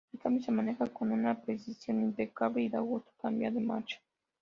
El cambio se maneja con una precisión impecable y da gusto cambiar de marcha.